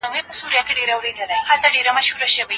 په الله تعالی قسم موږ په جاهليت کي ښځو ته دونه ارزښت نه ورکاوه.